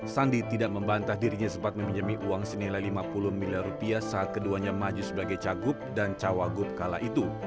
sandi tidak membantah dirinya sempat meminjami uang senilai lima puluh miliar rupiah saat keduanya maju sebagai cagup dan cawagup kala itu